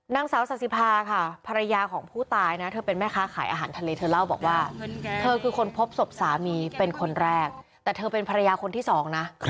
นางสาวสาธิภาค่ะภรรยาของผู้ตายนะเธอเป็นแม่ค้าขายอาหารทะเลเธอเล่าบอกว่าเธอคือคนพบศพสามีเป็นคนแรกแต่เธอเป็นภรรยาคนที่สองนะ